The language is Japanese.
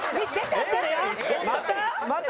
また？